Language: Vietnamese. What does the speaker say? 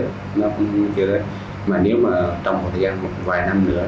mà nếu mà trong một thời gian vài năm nữa thì nếu mà không như vậy